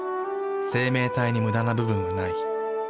生命体にムダな部分はない。